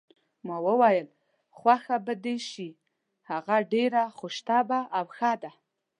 ما وویل: خوښه به دې شي، هغه ډېره خوش طبع او ښه ده.